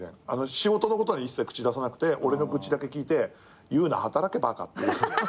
仕事のことに一切口出さなくて俺の愚痴だけ聞いて「言うな働けバカ」って言う。